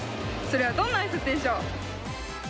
それはどんなあいさつでしょう？